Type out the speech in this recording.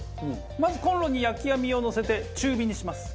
まずコンロに焼き網をのせて中火にします。